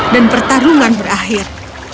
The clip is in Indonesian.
dan pertarungan berakhir